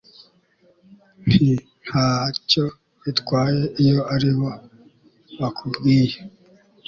nti nta cyo bitwaye iyo ari bo bakubwiye